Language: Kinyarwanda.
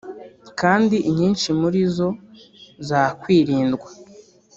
kandi inyinshi muri zo zakwirindwa